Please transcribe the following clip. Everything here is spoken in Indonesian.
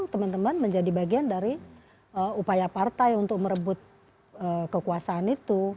teman teman menjadi bagian dari upaya partai untuk merebut kekuasaan itu